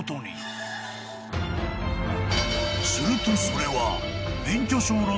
［するとそれは］